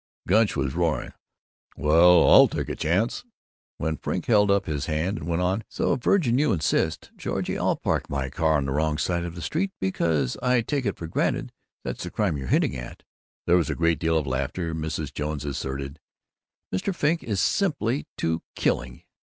Gunch was roaring, "Well, I'll take a chance " when Frink held up his hand and went on, "So if Verg and you insist, Georgie, I'll park my car on the wrong side of the street, because I take it for granted that's the crime you're hinting at!" There was a great deal of laughter. Mrs. Jones asserted, "Mr. Frink is simply too killing!